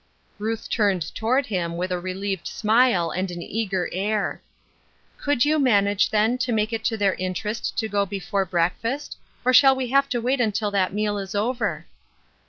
Ruth turned toward him with a relieved smile and an eager air. "Could you manage, then, to make it to their interest to go before breakfast, or shall we have to wait until that meal is over